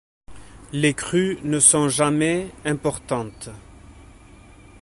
Les crues ne sont jamais importantes.